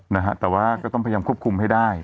นะฮะแต่ว่าก็ต้องพยายามควบคุมให้ได้